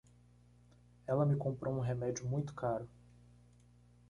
Ela me comprou um remédio muito caro.